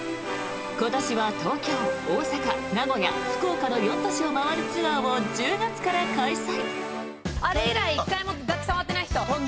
今年は東京、大阪、名古屋、福岡の４都市を回るツアーを１０月から開催。